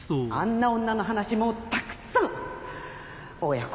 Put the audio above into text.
あんな女の話もうたくさん！